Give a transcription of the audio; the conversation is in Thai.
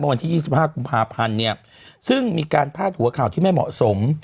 บ๊ายท์วันที่๒๕กุลพาาฟันซึ่งมีการพากษเหลือข่าวที่ไม่เหมาะสม